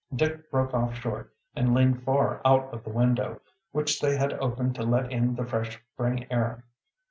Dick broke off short and leaned far out of the window, which they had opened to let in the fresh spring air.